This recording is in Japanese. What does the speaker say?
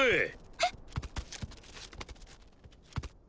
えっ？